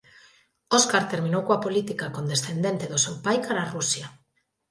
Óscar terminou coa política condescendente do seu pai cara a Rusia.